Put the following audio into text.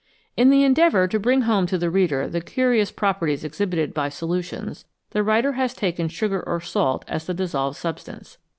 In the endeavour to bring home to the reader the curious properties exhibited by solutions, the writer has taken sugar or salt as the dissolved substance.